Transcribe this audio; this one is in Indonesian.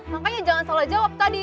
makanya jangan salah jawab tadi